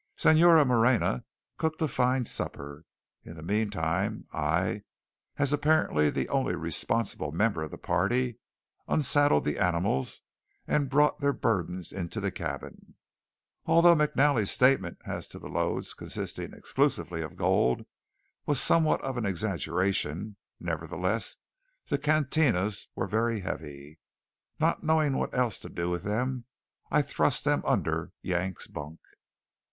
Señora Moreña cooked a fine supper. In the meantime, I, as apparently the only responsible member of the party, unsaddled the animals, and brought their burdens into the cabin. Although McNally's statement as to the loads consisting exclusively of gold was somewhat of an exaggeration, nevertheless the cantinas were very heavy. Not knowing what else to do with them, I thrust them under Yank's bunk.